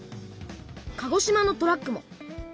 鹿児島のトラックも。